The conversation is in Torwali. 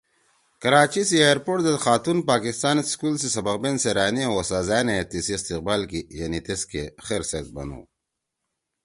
کراچی سی ائرپورٹ زید خاتون پاکستان سکول سی سبق بین سیرأن ئے او اُستاذأن ئے تیِسی استقبال کی یعنی تیسکے خیر سیت بنُو